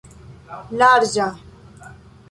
larĝa